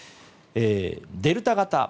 デルタ型。